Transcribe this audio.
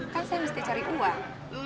kan saya mesti cari uang